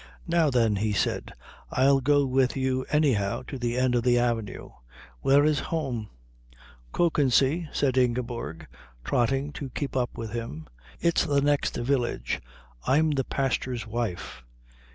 "Now then," he said, "I'll go with you anyhow to the end of the avenue. Where is home?" "Kökensee," said Ingeborg, trotting to keep up with him. "It's the next village. I'm the pastor's wife."